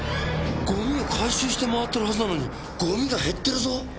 ゴミを回収して回ってるはずなのにゴミが減ってるぞ！